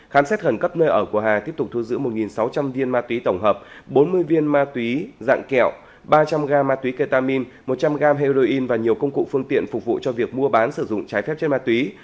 khám xét khẩn cấp nơi ở của hà tiếp tục thu giữ một sáu trăm linh viên ma túy tổng hợp bốn mươi viên ma túy dạng kẹo ba trăm linh gram ma túy ketamin một trăm linh g heroin và nhiều công cụ phương tiện phục vụ cho việc mua bán sử dụng trái phép trên ma túy